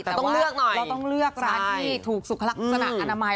แต่ว่าเราต้องเลือกร้านที่ถูกสุขลักษณะอนามัย